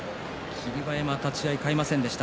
霧馬山は立ち合いを変えませんでした。